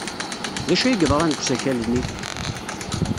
D acu ay yeḍran deg usakal-nni?